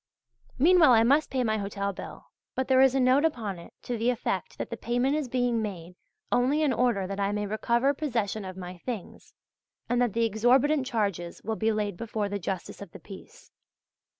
Meanwhile I must pay my hotel bill, but there is a note upon it to the effect that the payment is being made only in order that I may recover possession of my things, and that the exorbitant charges will be laid before the Justice of the Peace.